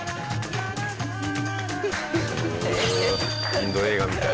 インド映画みたい。